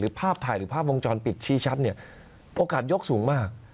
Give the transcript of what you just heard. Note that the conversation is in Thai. ภาพถ่ายหรือภาพวงจรปิดชี้ชัดเนี่ยโอกาสยกสูงมาก